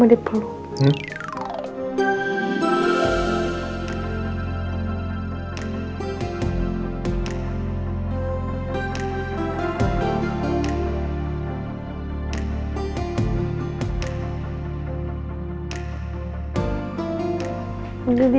kan dia main ama wirasan diri